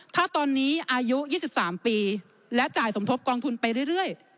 ถ้าตอนนี้อายุ๒๓ปีและจ่ายสมทบกองทุนไปเรื่อย